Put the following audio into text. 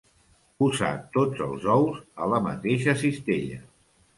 Posar tots els ous a la mateixa cistella.